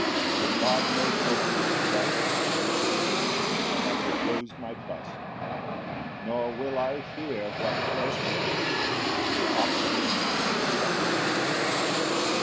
3 In God most holy, just, and true, I have repos'd my trust; Nor will I fear what flesh can do, The offspring of the dust.